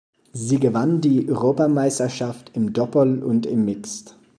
Sie gewann die Europameisterschaft im Doppel und im Mixed.